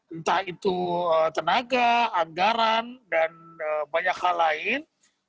entah itu tenaga anggaran dan banyak hal lain